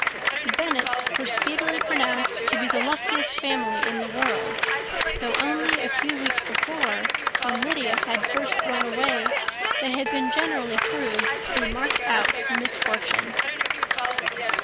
The Bennets were speedily pronounced to be the luckiest family in the world; though only a few weeks before, when Lydia had first run away, they had been generally proved to be marked out for misfortune.